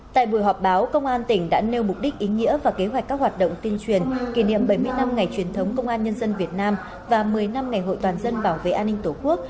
tại buổi họp báo công an tỉnh đã nêu mục đích ý nghĩa và kế hoạch các hoạt động tuyên truyền kỷ niệm bảy mươi năm ngày truyền thống công an nhân dân việt nam và một mươi năm ngày hội toàn dân bảo vệ an ninh tổ quốc